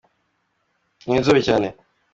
uri inzobe cyane!